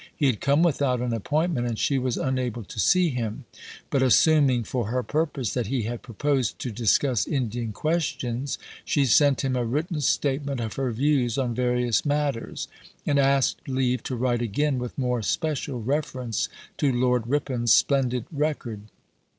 He had come without an appointment, and she was unable to see him; but assuming, for her purpose, that he had proposed to discuss Indian questions, she sent him a written statement of her views on various matters, and asked leave to write again with more special reference to Lord Ripon's splendid record.